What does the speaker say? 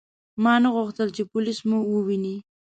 ما نه غوښتل چې پولیس مو وویني.